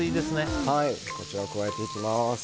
こちらを加えていきます。